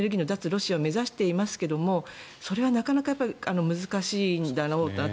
ロシアを目指していますけども、それはなかなか難しいんだろうなと。